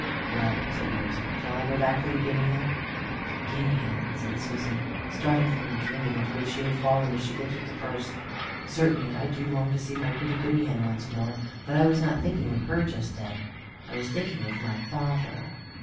"Well," said Rose, "shall I go back for the guinea hen?" "The guinea hen!" said Susan, starting from a dream into which she had fallen as she looked at the purse. "Certainly I do long to see my pretty guinea hen once more; but I was not thinking of her just then I was thinking of my father."